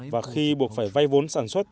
và khi buộc phải vay vốn sản xuất